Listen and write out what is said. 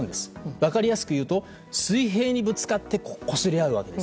分かりやすく言うと水平にぶつかってこすれ合うわけです。